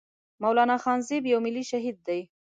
مولانا خانزيب يو ملي شهيد دی